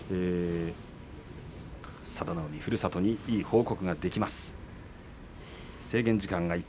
佐田の海ふるさとにいい報告ができます。